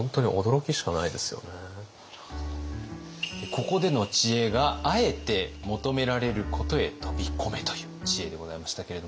ここでの知恵が「あえて求められることへ飛び込め！」という知恵でございましたけれども。